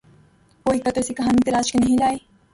کوئی قطر سے کہانی تراش کے نہیں لائے۔